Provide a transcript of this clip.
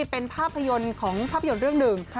เป็นภาพยนตร์ของภาพยนตร์เรื่องหนึ่ง